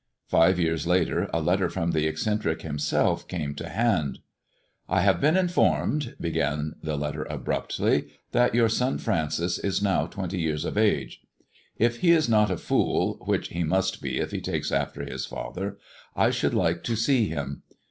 '■ Five years later a letter from the eccentric himself came to hand. I have been informed," began the letter abruptly, " that your son Francis is now twenty years of age. If he is not a fool — which he must be if he takes after his father — I should like to see him.